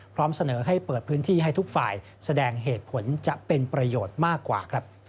พร้อมเสนอให้เปิดพื้นที่ให้ทุกฝ่ายแสดงเหตุผลจะเป็นประโยชน์มากกว่า